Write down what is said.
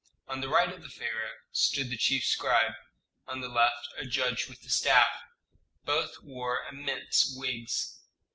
On the right of the pharaoh stood the chief scribe, on the left a judge with a staff; both wore immense wigs.